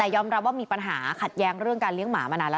ยอมรับว่ามีปัญหาขัดแย้งเรื่องการเลี้ยงหมามานานแล้ว